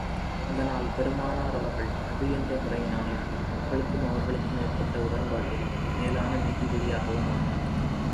அதனால் பெருமானார் அவர்கள் நபி என்ற முறையினாலும், மக்களுக்கும் அவர்களுக்கும் ஏற்பட்ட உடன்பாட்டிலும், மேலான நீதிபதியாகவும் ஆனார்கள்.